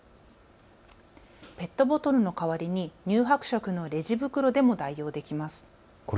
ペットボトルの代わりに乳白色のレジ袋でも代用できます。